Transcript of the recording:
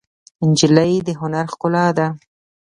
نجلۍ د هنر ښکلا ده.